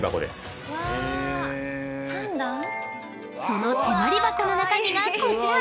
［その手毬箱の中身がこちら！］